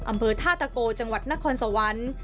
อำเภอท่าตะโกจังหวัดนครสวรรค์